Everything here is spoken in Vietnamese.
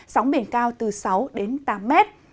sóng biển cao từ sáu đến tám m